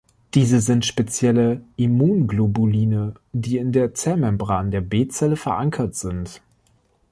Diese sind spezielle Immunglobuline, die in der Zellmembran der B-Zelle verankert sind.